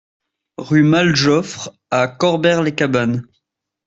Rue Mal Joffre à Corbère-les-Cabanes